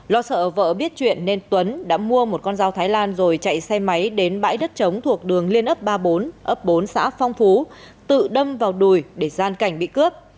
lo sợ vợ biết chuyện nên tuấn đã mua một con dao thái lan rồi chạy xe máy đến bãi đất trống thuộc đường liên ấp ba mươi bốn ấp bốn xã phong phú tự đâm vào đùi để gian cảnh bị cướp